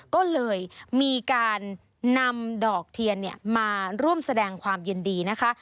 ก็เลยมีการนำดอกเทียนมาร่วมแสดงความยินดีนะคะ